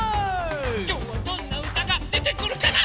きょうはどんなうたがでてくるかな。